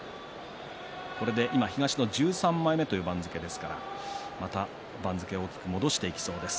これで今、東の１３枚目という番付ですがまた番付を大きく伸ばしていきそうです。